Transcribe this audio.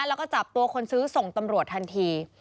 แล้วก็จับตัวคนซื้อส่งตำรวจทันที